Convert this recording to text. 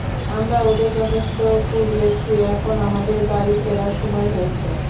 আমরা ওদের যথেষ্ট পুড়িয়েছি, এখন আমাদের বাড়ি ফেরার সময় হয়েছে।